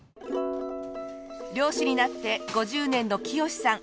漁師になって５０年の清志さん。